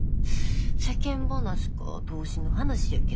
世間話か投資の話やけど。